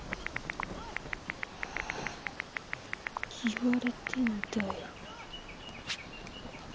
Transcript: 言われてんだよ。